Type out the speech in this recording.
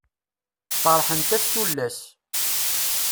Ferḥent-as tullas.